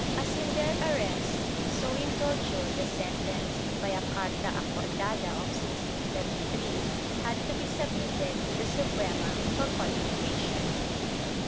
As in their arrest, so in torture the sentence, by a carta acordada of 1633, had to be submitted to the Suprema for confirmation.'